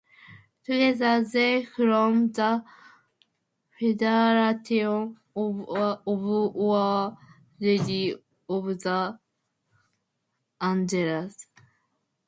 Together they form the Federation of Our Lady of the Angels.